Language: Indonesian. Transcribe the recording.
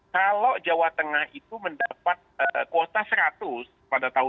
kalau jawa tengah itu mendapat kuota seratus pada tahun dua ribu dua puluh